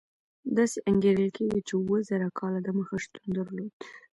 داسې انګېرل کېږي چې اوه زره کاله دمخه شتون درلود.